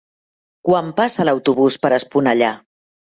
Quan passa l'autobús per Esponellà?